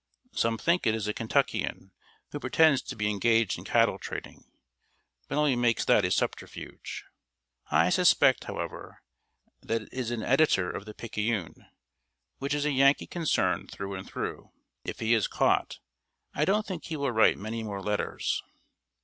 "Some think it is a Kentuckian, who pretends to be engaged in cattle trading, but only makes that a subterfuge. I suspect, however, that it is an editor of The Picayune, which is a Yankee concern through and through. If he is caught, I don't think he will write many more letters."